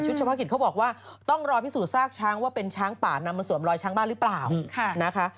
เฉพาะกิจเขาบอกว่าต้องรอพิสูจนซากช้างว่าเป็นช้างป่านำมาสวมรอยช้างบ้านหรือเปล่านะคะ